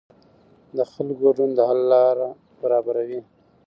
د خلکو ګډون د حل لاره برابروي